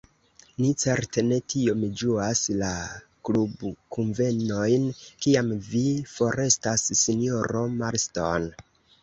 Ni certe ne tiom ĝuas la klubkunvenojn, kiam vi forestas, sinjoro Marston.